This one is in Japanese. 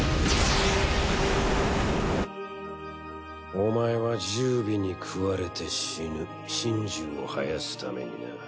お前は十尾に食われて死ぬ神樹を生やすためにな。